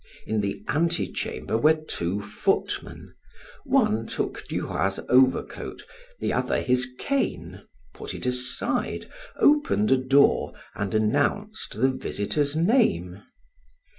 In the antechamber were two footmen; one took Duroy's overcoat, the other his cane, put it aside, opened a door and announced the visitor's name.